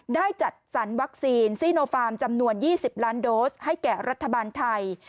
จัดสรรวัคซีนซีโนฟาร์มจำนวน๒๐ล้านโดสให้แก่รัฐบาลไทย